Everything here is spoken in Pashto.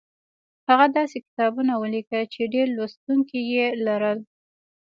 هغه داسې کتابونه ولیکل چې ډېر لوستونکي یې لرل